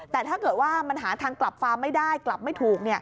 แต่ถ้าเกิดว่ามันหาทางกลับฟาร์มไม่ได้กลับไม่ถูก